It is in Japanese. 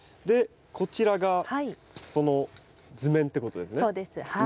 でこちらがその図面ってことですね。